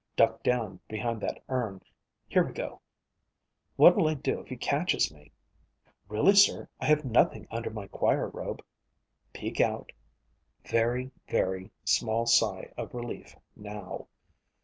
Duck down behind that urn. Here we go. What'll I do if he catches me? Really sir, I have nothing under my choir robe. Peek out._ _Very, very small sigh of relief, now.